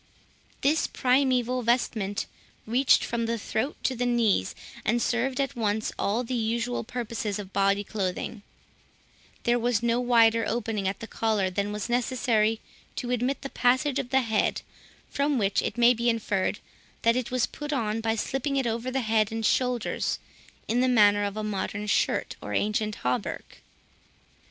This primeval vestment reached from the throat to the knees, and served at once all the usual purposes of body clothing; there was no wider opening at the collar, than was necessary to admit the passage of the head, from which it may be inferred, that it was put on by slipping it over the head and shoulders, in the manner of a modern shirt, or ancient hauberk.